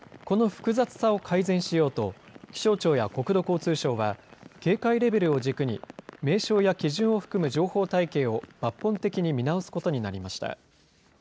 この複雑さを改善しようと、気象庁や国土交通省は警戒レベルを軸に名称や基準を含む情報体系を抜本的に見直すことになりました。